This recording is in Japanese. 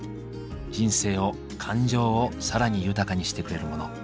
人生を感情を更に豊かにしてくれるモノ。